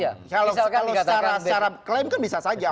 kalau secara klaim kan bisa saja